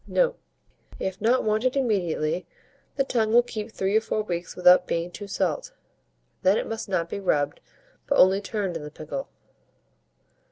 Note. If not wanted immediately, the tongue will keep 3 or 4 weeks without being too salt; then it must not be rubbed, but only turned in the pickle.